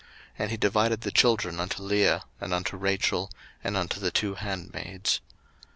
And he divided the children unto Leah, and unto Rachel, and unto the two handmaids.